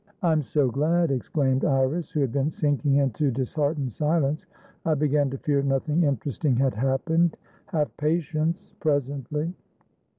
"I'm so glad!" exclaimed Iris, who had been sinking into a disheartened silence. "I began to fear nothing interesting had happened." "Have patience. Presently."